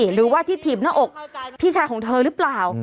หรือว่าที่ถีบหน้าอกพี่ชายของเธอหรือเปล่า